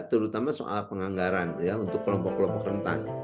terutama soal penganggaran untuk kelompok kelompok rentan